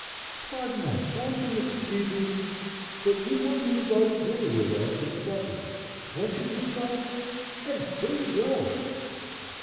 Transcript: "Pardon us, won't you, Mrs. Beebe, but we want you to go to dinner with us at the Butler. Won't you do so and bring the girls?"